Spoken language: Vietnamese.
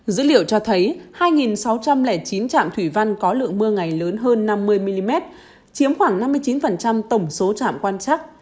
dữ liệu cho thấy hai sáu trăm linh chín trạm thủy văn có lượng mưa ngày lớn hơn năm mươi mm chiếm khoảng năm mươi chín tổng số trạm quan chắc